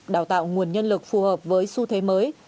đào tạo nguồn nhân lực phù hợp với xu thế mới